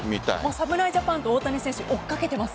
侍ジャパンと大谷選手を追いかけています。